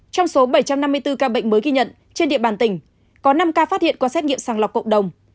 trong số bảy trăm năm mươi bốn ca bệnh mới ghi nhận trên địa bàn tỉnh có năm ca phát hiện qua xét nghiệm sàng lọc cộng đồng